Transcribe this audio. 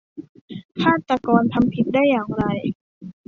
ฆาตกรทำผิดได้อย่างไร